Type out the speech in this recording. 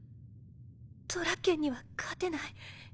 ドラッケンには勝てない。